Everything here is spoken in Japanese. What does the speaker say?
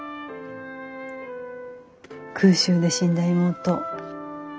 空襲で死んだ妹。